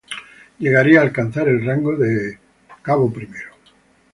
Llegaría alcanzar el rango de teniente coronel.